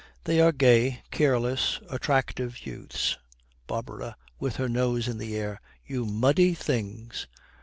They are gay, careless, attractive youths. BARBARA, with her nose in the air, 'You muddy things!'